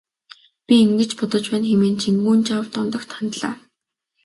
Би ингэж бодож байна хэмээн Чингүнжав Дондогт хандлаа.